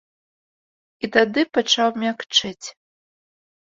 І тады пачаў мякчэць.